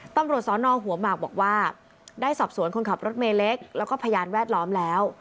ตำรวจสอนอหัวหมากบอกว่าได้สอบสวนคนขับรถเมเล็กแล้วก็พยานแวดล้อมแล้ว